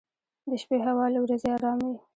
• د شپې هوا له ورځې ارام وي.